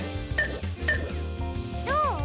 どう？